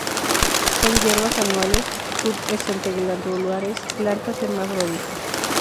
Son hierbas anuales, pubescente-glandulares; plantas hermafroditas.